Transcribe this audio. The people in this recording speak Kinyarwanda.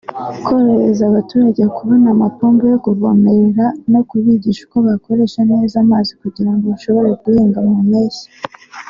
korohereza abaturage kubona amapombo yo kuvomerera no kubigisha uko bakoresha neza amazi kugira ngo bashobore guhinga mu mpeshyi